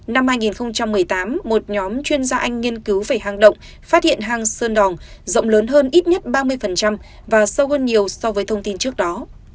năm hai nghìn một mươi tám một nhóm chuyên gia anh nghiên cứu về hang động phát hiện hang sơn đòn rộng lớn hơn ít nhất ba mươi và sâu hơn nhiều so với thông tin trước đó